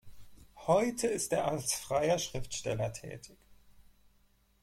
Heute ist er als freier Schriftsteller tätig.